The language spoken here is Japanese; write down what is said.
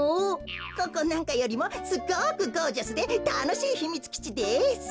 ここなんかよりもすごくゴージャスでたのしいひみつきちです。